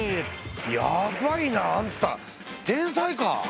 やばいな。あんた天才か！